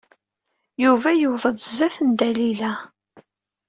Yuba yewweḍ-d zdat n Dalila.